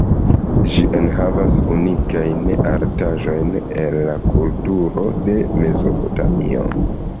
Ĝi enhavas unikajn artaĵojn el la kulturo de Mezopotamio.